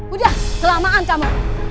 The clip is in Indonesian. udah selamaan kamu